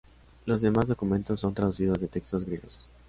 Los demás documentos son traducciones de textos griegos.